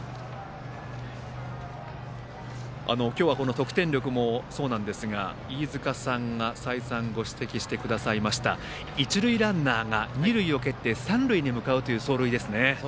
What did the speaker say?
得点力もそうなんですが飯塚さんが再三、ご指摘してくださいました一塁ランナーが二塁を蹴って三塁に向かうという走塁ですね。